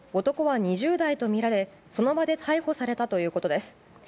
男は２０代とみられその場で逮捕されたということです。